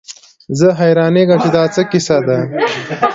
زه حيرانېږم چې دا څه کيسه ده.